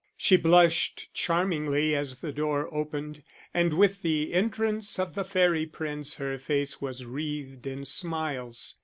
She blushed charmingly as the door opened, and with the entrance of the fairy prince her face was wreathed in smiles.